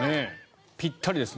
ぴったりですね。